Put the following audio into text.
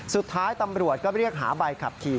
สุดท้ายตำรวจก็เรียกหาใบขับขี่